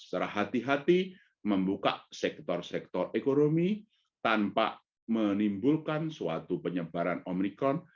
secara hati hati membuka sektor sektor ekonomi tanpa menimbulkan suatu penyebaran omikron